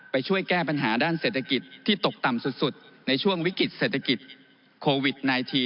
ช่วยแก้ปัญหาด้านเศรษฐกิจที่ตกต่ำสุดในช่วงวิกฤตเศรษฐกิจโควิด๑๙